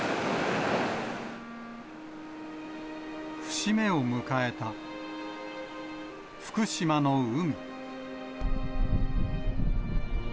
節目を迎えた福島の海。